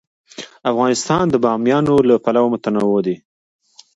افغانستان د بامیان له پلوه متنوع دی.